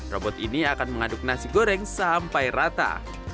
robot ini akan mengaduk nasi goreng sampai rata